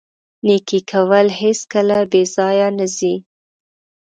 نیکي کول هیڅکله بې ځایه نه ځي.